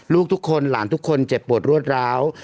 ลูกทุกคนหลานทุกคนเจ็บปวดรวดร้าว